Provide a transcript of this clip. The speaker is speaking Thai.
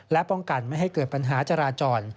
และป้องกันไม่ให้เกิดปัญหาจราจร